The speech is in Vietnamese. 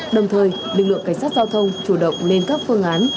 đồng thời lực lượng cảnh sát giao thông chủ động lên các phương án